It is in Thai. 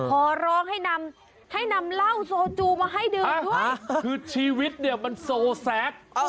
ขอร้องให้นำให้นำเหล้าโซจูมาให้ดื่มด้วยคือชีวิตเนี่ยมันโซแซค